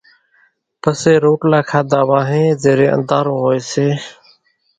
پسي روٽلا کاڌا وانھين زيرين انڌارو ھوئي سي